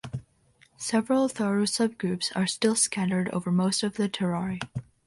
Several Tharu subgroups are still scattered over most of the Terai.